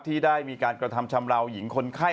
ที่ได้มีการกระทำชำลาวหญิงคนไข้